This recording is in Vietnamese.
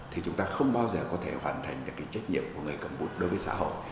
thì chúng ta không bao giờ có thể hoàn thành được cái trách nhiệm của người cầm bút đối với xã hội